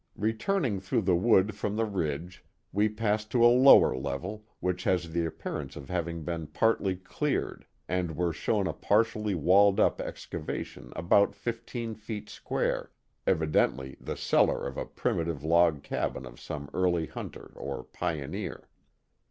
Returning through the wood from the ridge, we passed to a lower level, which has the appearance of having been partly cleared, and were shown a partially walled up excavation about fifteen feet square, evidently the cellar of a primitive log cabin of some early hunter or pioneer.